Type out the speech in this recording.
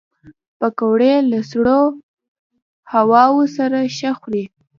پکورې له سړو هواوو سره ښه خوري